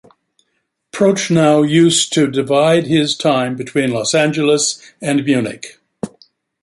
Prochnow used to divide his time between Los Angeles and Munich.